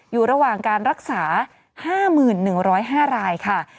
อยู่ระหว่างการรักษา๕๑๐๕รายค่ะ